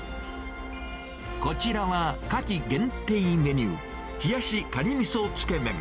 こちらは夏季限定メニュー、冷やし蟹みそつけ麺。